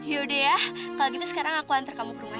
yodeh ya kalau gitu sekarang aku hantar kamu ke rumah ya